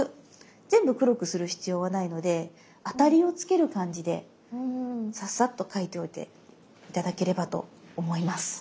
全部黒くする必要はないので当たりを付ける感じでサッサッと描いておいて頂ければと思います。